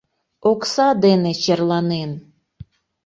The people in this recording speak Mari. Окса дене черланен.